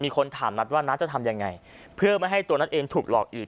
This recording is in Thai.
คนถามนัทว่านัทจะทำยังไงเพื่อไม่ให้ตัวนัทเองถูกหลอกอีก